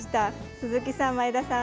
鈴木さん、前田さん